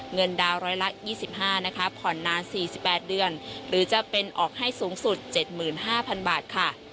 เงินดาวนร้อยละ๒๕นะคะผ่อนนาน๔๘เดือนหรือจะเป็นออกให้สูงสุด๗๕๐๐๐บาทค่ะ